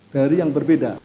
dari yang berbeda